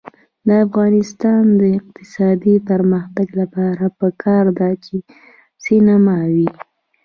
د افغانستان د اقتصادي پرمختګ لپاره پکار ده چې سینما وي.